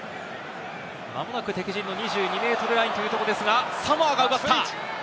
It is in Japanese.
間もなく敵陣の２２ｍラインというとこですが、サモアが奪った。